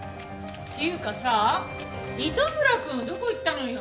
っていうかさ糸村くんはどこ行ったのよ？